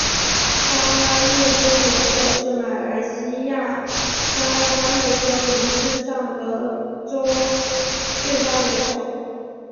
砂拉越州元首是马来西亚砂拉越州仪式上的州最高元首。